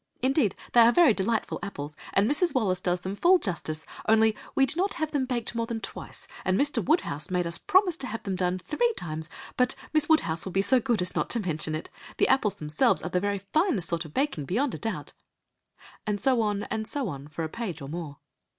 Indeed, they are very delightful apples, and Mrs. Wallis does them full justice, only we do not have them baked more than twice, and Mr. Woodhouse made us promise to have them done three times; but Miss Woodhouse will be so good as not to mention it. The apples themselves are the very finest sort for baking beyond a doubt—" and so on and so on for a page or more.